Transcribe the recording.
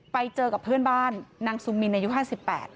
ไปเจอกับเพื่อนบ้านนางซุมินในยุค๕๘